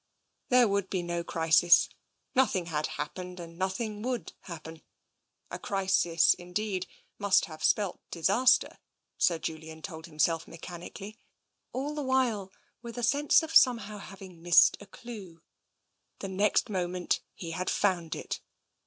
There would be no crisis. Nothing had happened and nothing would happen. A crisis, indeed, must have spelt disaster. Sir Julian told himself mechanically, all the while with a sense of having somehow missed a clue. The next moment he had found it.